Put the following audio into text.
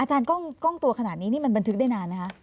กล้องตัวขนาดนี้นี่มันบันทึกได้นานไหมคะ